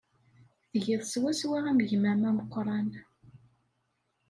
Tgiḍ swaswa am gma-m ameqran.